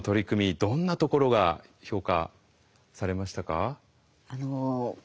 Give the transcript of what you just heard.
どんなところが評価されましたか？